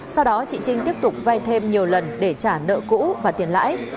sau đó chị trinh tiếp tục vay thêm nhiều lần để trả nợ cũ và tiền lãi